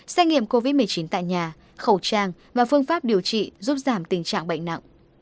xét nghiệm covid một mươi chín tại nhà khẩu trang và phương pháp điều trị giúp giảm tình trạng bệnh nặng